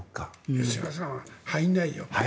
吉永さんは入らないよ。